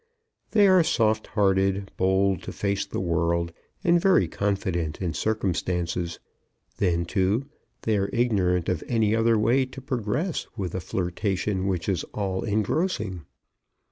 They are soft hearted, bold to face the world, and very confident in circumstances. Then, too, they are ignorant of any other way to progress with a flirtation which is all engrossing.